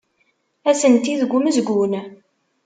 Atenti deg umezgun.